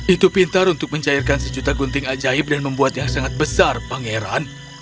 itu pintar untuk mencairkan sejuta gunting ajaib dan membuat yang sangat besar pangeran